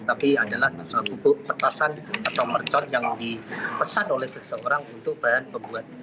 tapi adalah pupuk petasan atau mercot yang dipesan oleh seseorang untuk bahan pembuat